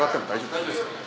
大丈夫ですよ。